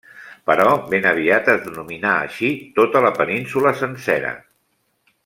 Però ben aviat es denominà així tota la península sencera.